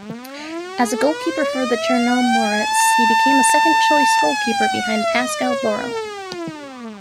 As a goalkeeper for Chernomorets, he becomes a second choice goalkeeper behind Pascal Borel.